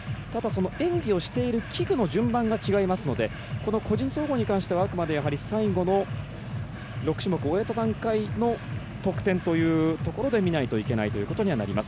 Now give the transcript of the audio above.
演技をしている器具の順番が違いますのでこの個人総合に関してはあくまで最後の６種目を終えた段階の得点というところで見ないといけないということにはなります。